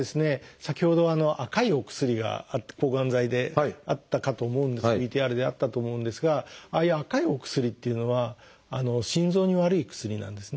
先ほど赤いお薬が抗がん剤であったかと思うんですがＶＴＲであったと思うんですがああいう赤いお薬っていうのは心臓に悪い薬なんですね。